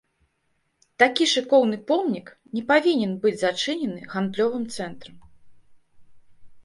Такі шыкоўны помнік не павінен быць зачынены гандлёвым цэнтрам.